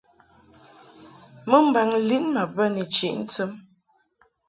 Mɨmbaŋ lin ma bə ni chiʼ ntɨm.